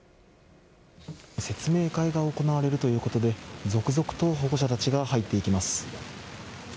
説明会が行われるということで続々と保護者たちが入っていきます。